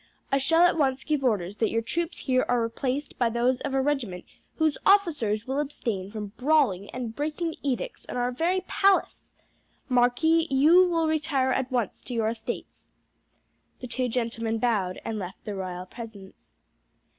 I shall at once give orders that your troops here are replaced by those of a regiment whose officers will abstain from brawling and breaking the edicts in our very palace. Marquis, you will retire at once to your estates." The two gentlemen bowed and left the royal presence.